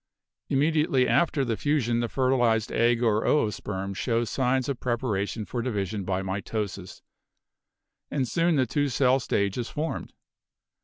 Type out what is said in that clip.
Immediately after the fusion the fertilized egg or oosperm shows signs of preparation for division by mitosis and soon the two cell stage is formed.